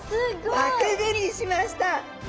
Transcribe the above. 輪くぐりしました！